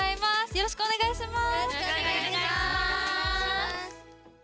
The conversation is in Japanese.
よろしくお願いします。